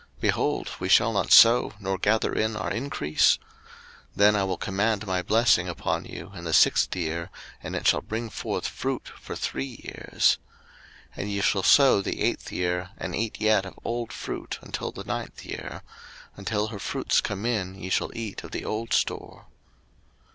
behold, we shall not sow, nor gather in our increase: 03:025:021 Then I will command my blessing upon you in the sixth year, and it shall bring forth fruit for three years. 03:025:022 And ye shall sow the eighth year, and eat yet of old fruit until the ninth year; until her fruits come in ye shall eat of the old store.